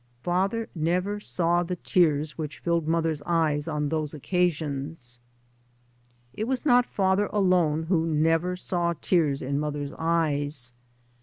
Father never saw the tears which filled mother's eyes on those occasions. It was not father alone who never saw tears in mother's eyes.